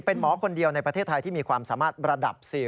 เป็นหมอคนเดียวในประเทศไทยที่มีความสามารถระดับ๔